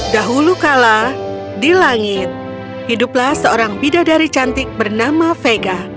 dahulu kala di langit hiduplah seorang bidadari cantik bernama vega